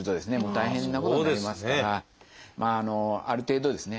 大変なことになりますからある程度ですね